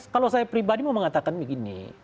kalau saya pribadi mau mengatakan begini